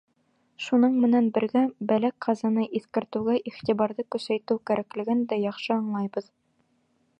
Шуның менән бергә бәлә-ҡазаны иҫкәртеүгә иғтибарҙы көсәйтеү кәрәклеген дә яҡшы аңлайбыҙ.